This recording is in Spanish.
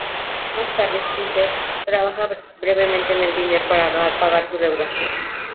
Más tarde Spencer trabaja brevemente en el Diner para pagar su deuda.